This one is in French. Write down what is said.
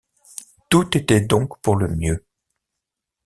Tout était donc pour le mieux.